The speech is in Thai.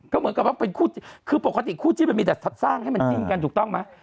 ก็เหมือนกับว่าเป็นคู่จิ้นคือปกติคู่จิ้นมันมีแต่สร้างให้มันจิ้นกันถูกต้องไหม